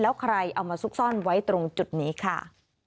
แล้วใครเอามาซุกซ่อนไว้ตรงจุดนี้ค่ะ